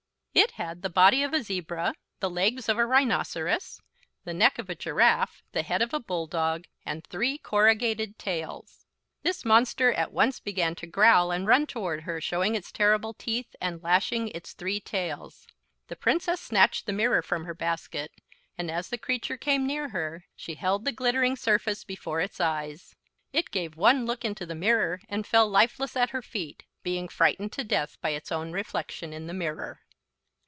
It had the body of a zebra, the legs of a rhinoceros, the neck of a giraffe, the head of a bull dog, and three corrugated tails. This monster at once began to growl and run toward her, showing its terrible teeth and lashing its three tails. The Princess snatched the mirror from her basket and, as the creature came near her, she held the glittering surface before its eyes. It gave one look into the mirror and fell lifeless at her feet, being frightened to death by its own reflection in the mirror.